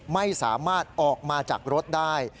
ไม่สามารถออกมาจากรถได้